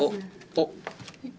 あっ！